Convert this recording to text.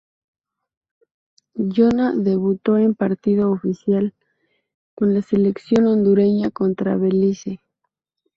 Jona debutó en partido oficial con la selección hondureña contra Belice.